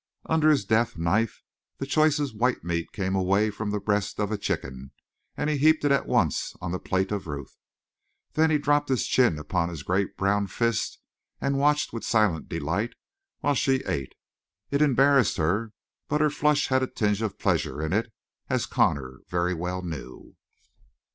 Under his deft knife the choicest white meat came away from the breast of a chicken and he heaped it at once on the plate of Ruth. Then he dropped his chin upon his great brown fist and watched with silent delight while she ate. It embarrassed her; but her flush had a tinge of pleasure in it, as Connor very well knew.